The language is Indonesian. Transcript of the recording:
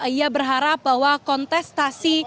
ia berharap bahwa kontestasi